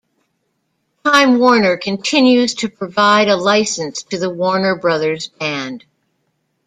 Time Warner continues to provide a licence to the Warner Brothers brand.